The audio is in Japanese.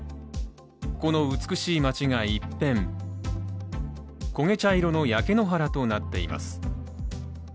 この美しい町が一変焦げ茶色の焼け野原となっています。